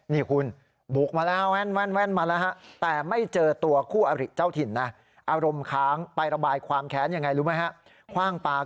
นี่คุณบุกมาแล้วแว่นมาแล้ว